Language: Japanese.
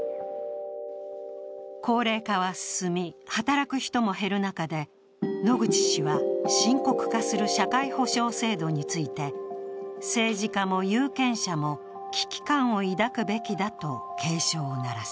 高齢化は進み、働く人も減る中で野口氏は、深刻化する社会保障制度について政治家も有権者も危機感をいだくべきだと警鐘を鳴らす。